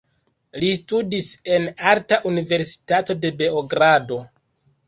Li studis en arta universitato de Beogrado.